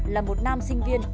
là một nam sinh viên